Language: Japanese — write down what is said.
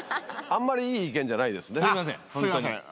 あんまりいい意見じゃないですみません。